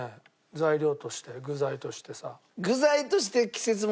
材料として具材としてさ。